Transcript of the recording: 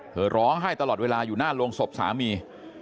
ร้องไห้ตลอดเวลาอยู่หน้าโรงศพสามี